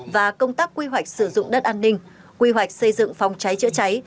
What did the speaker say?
và công tác quy hoạch sử dụng đất an ninh quy hoạch xây dựng phòng cháy chữa cháy